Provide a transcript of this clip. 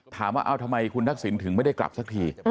ถามว่าเอาทำไมคุณทักษิณถึงไม่ได้กลับสักที